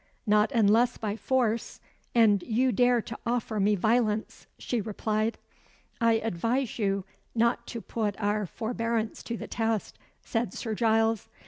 "Not unless by force and you dare to offer me violence," she replied. "I advise you not to put our forbearance to the test," said Sir Giles.